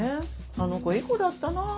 あの子いい子だったな。